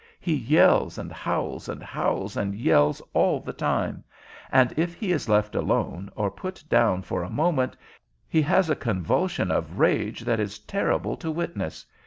He yells and howls and howls and yells all the time, and if he is left alone or put down for a moment he has a convulsion of rage that is terrible to witness.